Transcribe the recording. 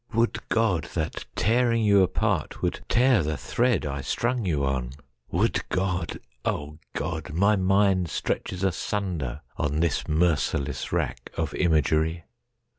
—Would GodThat tearing you apart would tear the threadI strung you on! Would God—O God, my mindStretches asunder on this merciless rackOf imagery!